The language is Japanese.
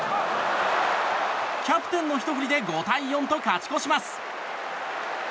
キャプテンのひと振りで５対４と勝ち越します。